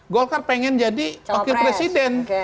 golkar pengen jadi wakil presiden